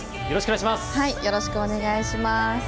よろしくお願いします。